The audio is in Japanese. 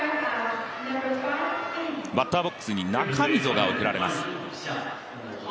バッターボックスに中溝が送られます。